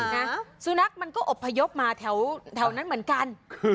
นะสุนัขมันก็อบพยพมาแถวนั้นเหมือนกัน